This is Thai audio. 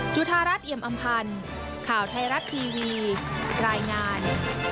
จุธารัฐเอียมอำพันธ์ข่าวไทยรัฐทีวีรายงาน